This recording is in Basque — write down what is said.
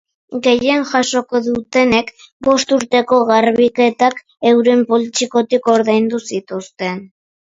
Gehien jasoko dutenek, bost urteko garbiketak euren poltsikotik ordaindu zituzten.